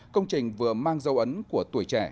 công trình vừa mang dấu ấn của tuổi trẻ